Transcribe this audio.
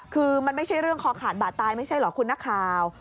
คือมันไม่ใช่เรื่องคอขาดบาดตายไม่ใช่เหรอคุณนักข่าว